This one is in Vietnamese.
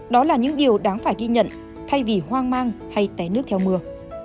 đó là những điều đáng phải ghi nhận thay vì hoang mang hay té nước theo mưa